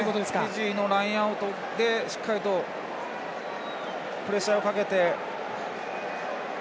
フィジーのラインアウトでしっかりとプレッシャーをかけて。